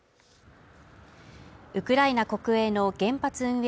ウクライナ国営の原発運営